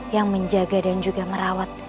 yang menjaga dan juga merawat